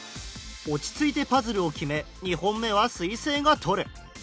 落ち着いてパズルを決め２本目は彗星が取る。